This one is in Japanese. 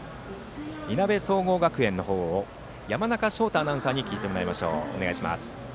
いなべ総合学園の方を山中翔太アナウンサーに聞いてもらいましょう。